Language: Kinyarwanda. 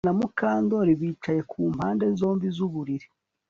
Trix na Mukandoli bicaye ku mpande zombi zuburiri